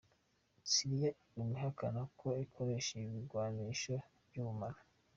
Syria iguma ihakana ko ikoresha ibigwanisho vy'ubumara.